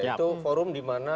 itu forum dimana